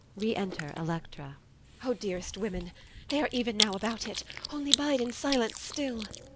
Re enter ELECTRA. EL. O dearest women! they are even now About it. Only bide in silence still.